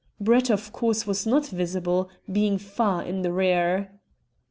Brett, of course, was not visible, being far in the rear.